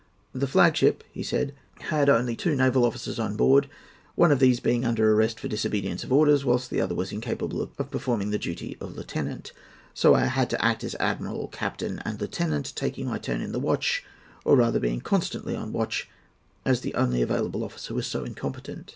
"The flag ship," he said, "had only two naval officers on board, one of these being under arrest for disobedience of orders, whilst the other was incapable of performing the duty of lieutenant; so that I had to act as admiral, captain and lieutenant, taking my turn in the watch—or rather being constantly on the watch—as the only available officer was so incompetent."